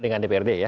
dengan dprd ya